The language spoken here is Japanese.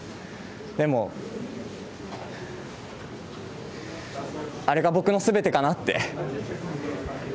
でも、あれが僕のすべてかなって。